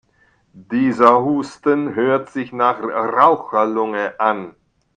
Dieser Husten hört sich nach Raucherlunge an.